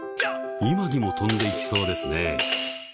今にも飛んでいきそうですね。